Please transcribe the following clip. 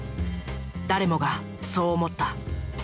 誰もがそう思った。